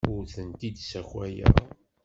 Ur tent-id-ssakayeɣ.